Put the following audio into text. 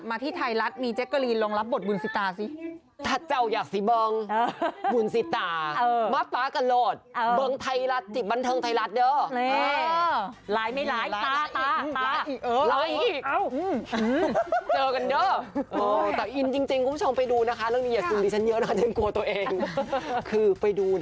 เมื่อเอาได้แค่คำว่ามีเจ้าอยู่